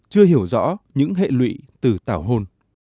chưa hiểu rõ những hệ lụy từ tảo hôn